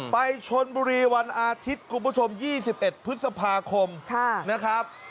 ไปชนบุรีวันอาทิตย์คุณผู้ชม๒๑พฤษภาคมนะครับ